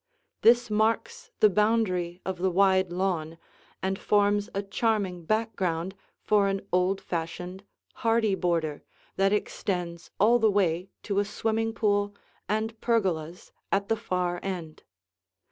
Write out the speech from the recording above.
This marks the boundary of the wide lawn and forms a charming background for an old fashioned hardy border that extends all the way to a swimming pool and pergolas at the far end.